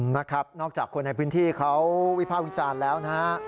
นะครับนอกจากคนในพื้นที่เขาวิภาควิจารณ์แล้วนะฮะ